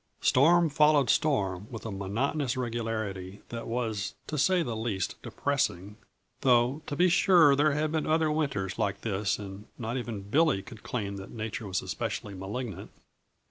Storm followed storm with a monotonous regularity that was, to say the least, depressing, though to be sure there had been other winters like this, and not even Billy could claim that Nature was especially malignant.